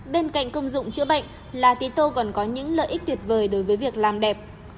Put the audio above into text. bên cạnh công dụng chữa bệnh lá tế tô còn có những lợi ích tuyệt vời đối với việc làm đẹp